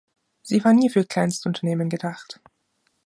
Sie war nie für Kleinstunternehmen gedacht!